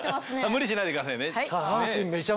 無理しないでくださいね。